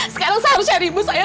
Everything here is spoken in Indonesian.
sekarang saya harus cari ibu saya